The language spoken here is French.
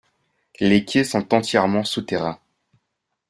Les quais sont entièrement souterrains.